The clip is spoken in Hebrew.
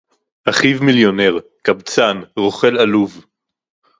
אחיו מיליונר! קבצן, רוכל עלוב!